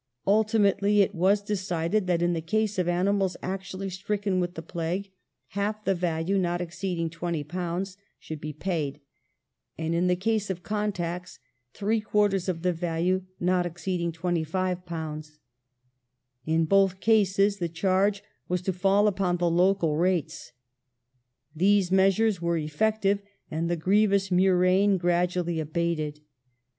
Ultimately it was decided that in the case of animals actually stricken with the plague half the value, not exceeding £20, should be paid, and in the case of contacts, three quarters of the value, not exceeding £25. In both cases the charge was to fall upon the local rates. These measures were effective, and the grievous murrain gradually abated.